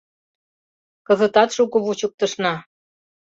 Кызытат шуко вучыктышна.